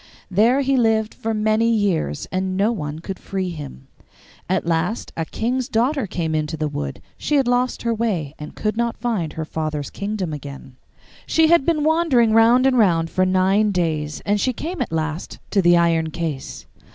There he lived for many years, and no one could free him. At last a king's daughter came into the wood; she had lost her way, and could not find her father's kingdom again. She had been wandering round and round for nine days, and she came at last to the iron case.